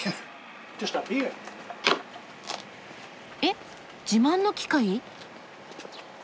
えっ自慢の機械？